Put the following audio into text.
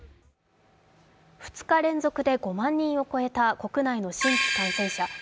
２日連続で５万人を超えた国内の新規感染者。